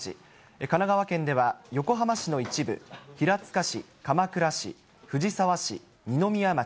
神奈川県では横浜市の一部、平塚市、鎌倉市、藤沢市、二宮町。